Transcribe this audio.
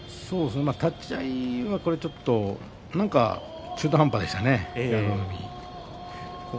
立ち合いは、ちょっと中途半端でしたね、平戸海。